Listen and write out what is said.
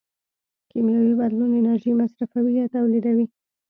کیمیاوي بدلون انرژي مصرفوي یا تولیدوي.